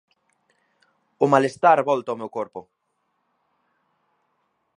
O malestar volta a meu corpo.